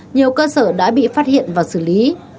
nhiều cơ sở đã bị phát hiện và xử lý